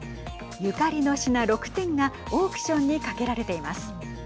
ゆかりの品６点がオークションにかけられています。